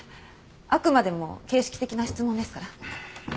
あくまでも形式的な質問ですから。